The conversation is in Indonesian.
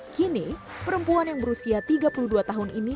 kini perempuan yang berusia tiga puluh dua tahun ini